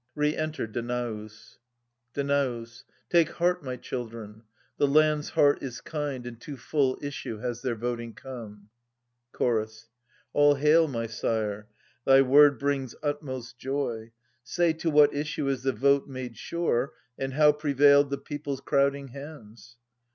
Re enter Danaus. Danaus. Take heart, my children : the land's heart is kind And to full issue h^s their voting come. Chorus. All hail, my sir6 ; thy word brings utmost joy. Say, to what issue is the vote made sure, And how prevailed the people's crowding hands